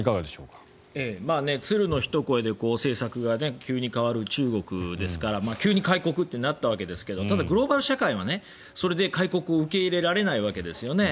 鶴のひと声で政策が急に変わる中国ですから急に開国となったわけですがただ、グローバル社会はそれで開国を受け入れられないわけですよね。